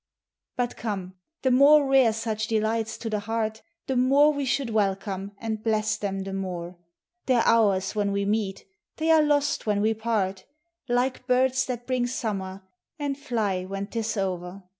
But, come, the more rare such delights to the heart, The more we should welcome, and bless them the more; They ?re ours, when we meet — they are lost when we part — Like birds that bring Summer, and fly when ?t is o'er.